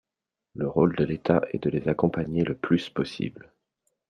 Le rôle de l’État est de les accompagner le plus possible.